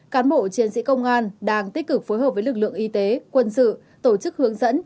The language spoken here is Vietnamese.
cán bộ chiến sĩ công an đang tích cực phối hợp với lực lượng y tế quân sự tổ chức hướng dẫn